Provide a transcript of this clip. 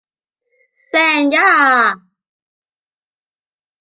Zhenya!